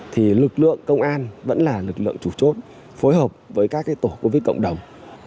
thì lực lượng công an vẫn là lực lượng chủ chốt phối hợp với các tổ covid cộng đồng